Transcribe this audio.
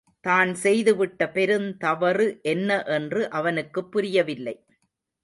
தான் செய்துவிட்ட பெருந்தவறு என்ன என்று அவனுக்குப் புரியவில்லை.